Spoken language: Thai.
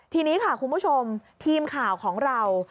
ทีนี้ค่ะคุณผู้ชมทีมข่าวของเรา